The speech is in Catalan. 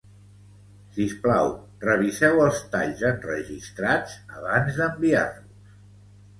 Sisplau, reviseu els talls enregistrats abans d'enviar-los